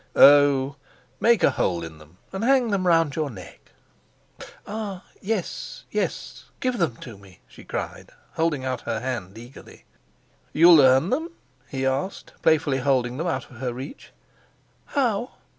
"Oh, make a hole in them and hang them round your neck." "Ah, yes: yes, give them to me," she cried, holding out her hand eagerly. "You'll earn them?" he asked, playfully holding them out of her reach. "How?"